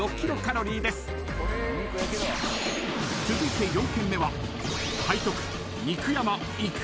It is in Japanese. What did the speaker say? ［続いて４軒目は］